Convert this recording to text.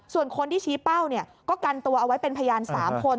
ส่วนคนที่ชี้เป้าก็กันตัวเอาไว้เป็นพยาน๓คน